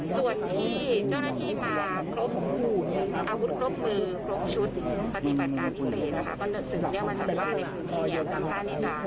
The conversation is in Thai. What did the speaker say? ส่วนที่เจ้าหน้าที่มาครบอาวุธครบมือครบชุดปฏิบัติการพิเศษนะคะ